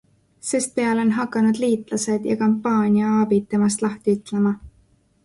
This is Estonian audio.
Sestpeale on hakanud liitlased ja kampaaniaabid temast lahti ütlema.